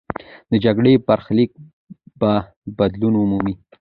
د جګړې برخلیک به بدلون مومي.